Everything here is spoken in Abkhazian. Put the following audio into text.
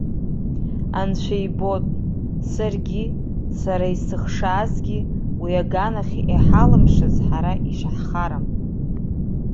Анцәа ибоит, саргьы, сара исыхшазгьы, уи аганахь иҳалымшаз ҳара ишаҳхарам.